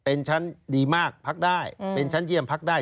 เป็นชั้นดีมากพักได้เป็นชั้นเยี่ยมพักได้